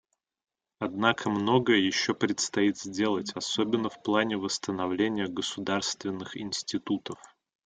Однако многое еще предстоит сделать, особенно в плане восстановления государственных институтов.